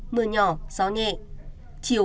mưa nhỏ gió nhẹ chiều